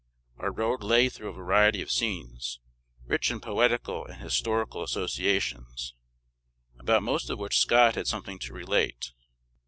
Our road lay through a variety of scenes, rich in poetical and historical associations, about most of which Scott had something to relate.